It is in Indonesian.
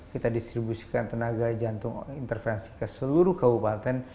kita distribusikan tenaga jantung intervensi ke seluruh kabupaten